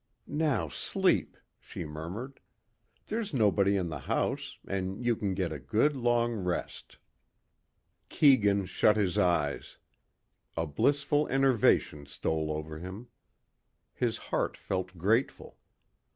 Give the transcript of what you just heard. "Now sleep," she murmured. "There's nobody in the house and you can get a good long rest." Keegan shut his eyes. A blissful enervation stole over him. His heart felt grateful.